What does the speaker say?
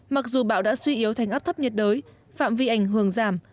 mặc dù bão đã suy yếu thành áp thấp nhiệt đới phạm vi ảnh hưởng giảm